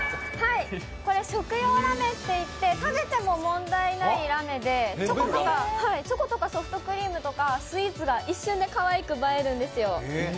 これ食用ラメといって、食べても問題ないラメで、チョコとかソフトクリームとかスイーツが一瞬でかわいく映えるんですよ。